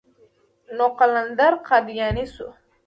نو قلندر قادياني شو.